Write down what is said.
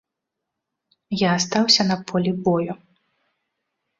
Я астаўся на полі бою.